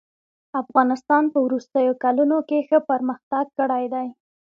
افغانستان په وروستيو کلونو کښي ښه پرمختګ کړی دئ.